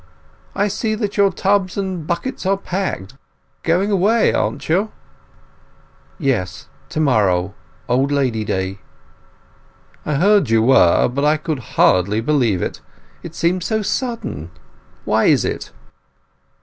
I see that your tubs and buckets are packed. Going away, aren't you?" "Yes, to morrow—Old Lady Day." "I heard you were, but could hardly believe it; it seems so sudden. Why is it?"